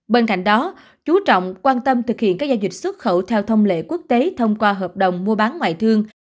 bên cạnh đó chú trọng quan tâm thực hiện các giao dịch xuất khẩu theo thông lệ quốc tế thông qua hợp đồng mua bán ngoại thương